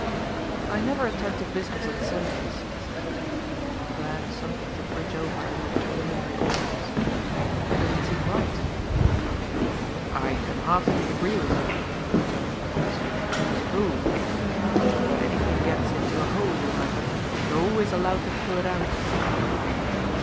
" I never attend to business on Sundays," said Hendrik, glad of something to bridge over a little preliminary awk wardness. " It doesn't seem right." " I can heartily agree with you," rejoined Thomas, " as a rule. But when anytliing gets into a hole, you remember, you are always allowed to pull it out."